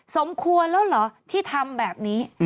สมควรแล้วเหรอที่ทำแบบนี้